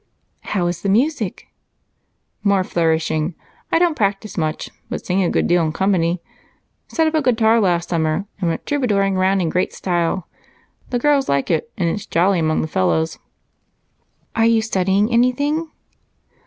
"How is the music?" "More flourishing. I don't practice much, but sing a good deal in company. Set up a guitar last summer and went troubadouring round in great style. The girls like it, and it's jolly among the fellows." "Are you studying anything?"